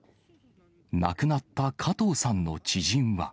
亡くなった加藤さんの知人は。